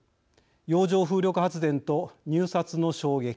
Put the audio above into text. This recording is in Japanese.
洋上風力発電と入札の衝撃。